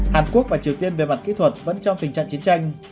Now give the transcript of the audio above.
hàn quốc và triều tiên về mặt kỹ thuật vẫn trong tình trạng chiến tranh